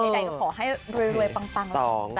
ใดก็ขอให้เรื่อยปัง